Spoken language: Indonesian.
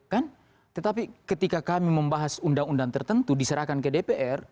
kan tetapi ketika kami membahas undang undang tertentu diserahkan ke dpr